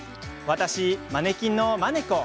私、マネキンのマネ子。